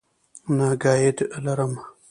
نه ګائیډ لرم.